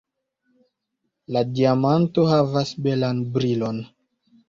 La diamanto havas belan brilon.